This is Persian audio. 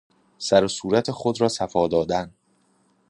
سر و صورت خود را صفاء دادن